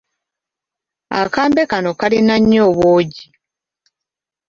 Akambe kano kalina nnyo obwogi.